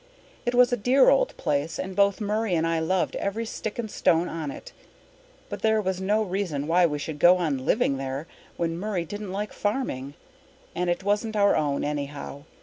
It was a dear old place and both Murray and I loved every stick and stone on it, but there was no reason why we should go on living there when Murray didn't like farming. And it wasn't our own, anyhow.